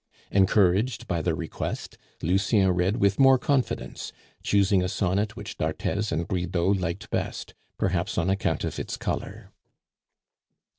Encouraged by the request, Lucien read with more confidence, choosing a sonnet which d'Arthez and Bridau liked best, perhaps on account of its color.